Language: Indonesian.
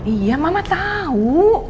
iya mama tahu